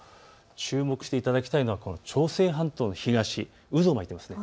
注目していただきたいのは朝鮮半島の東、渦を巻いています。